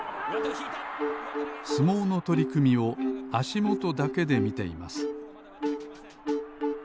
相撲のとりくみをあしもとだけでみています